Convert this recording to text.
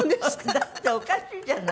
だっておかしいじゃない！